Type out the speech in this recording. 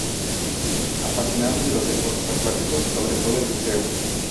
Apasionado de los deportes acuáticos, sobre todo el buceo.